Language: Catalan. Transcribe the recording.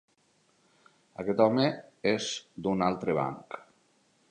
Aquest home és d'un altre banc.